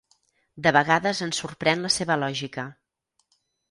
De vegades ens sorprèn la seva lògica.